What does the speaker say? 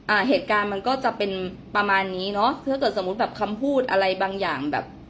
อ่าเหตุการณ์มันก็จะเป็นประมาณนี้เนอะถ้าเกิดสมมุติแบบคำพูดอะไรบางอย่างแบบ